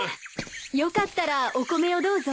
よかったらお米をどうぞ。